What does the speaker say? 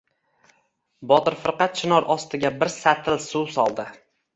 Botir firqa chinor ostiga bir satil suv soldi.